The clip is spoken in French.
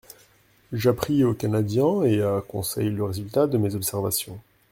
J'appris au Canadien et à Conseil le résultat de mes observations.